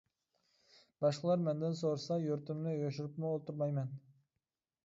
باشقىلار مەندىن سورىسا، يۇرتۇمنى يوشۇرۇپمۇ ئولتۇرمايمەن.